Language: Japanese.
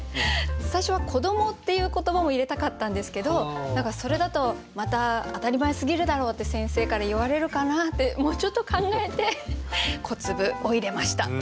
最初は「子供」っていう言葉も入れたかったんですけど何かそれだとまた「当たり前すぎるだろ」って先生から言われるかな？ってもうちょっと考えて「こつぶ」を入れました。